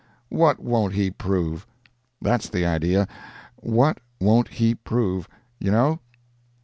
What won't he prove! That's the idea—what won't he prove, you know?